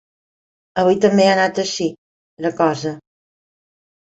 Avui també ha anat així, la cosa.